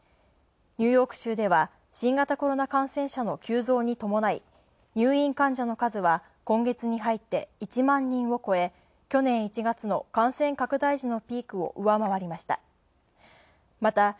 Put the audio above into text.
ニューヨーク州では新型コロナ感染者の急増に伴い、入院患者の数は今月に入って１万人を超え去年１月の感染拡大時のピークを上回りました。